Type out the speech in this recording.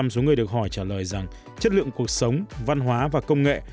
tám mươi ba số người được hỏi trả lời rằng chất lượng cuộc sống văn hóa và công nghệ